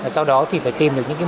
sau đó thì phải tìm được những cái